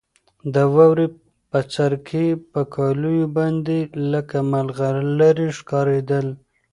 د واورې بڅرکي په کالیو باندې لکه ملغلرې ښکارېدل.